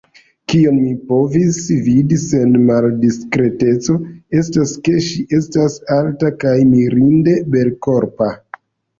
Kion mi povis vidi sen maldiskreteco, estas, ke ŝi estas alta kaj mirinde belkorpa.